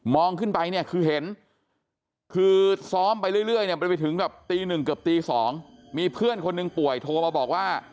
มองขึ้นไปคือเห็นซ้อมไปเรื่อยไปถึงตี๑เกือบตี๒มีเพื่อนคนหนึ่งป่วยโทรมาบอกว่า